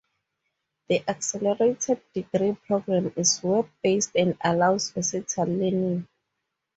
The accelerated degree program is web-based and allows versatile learning.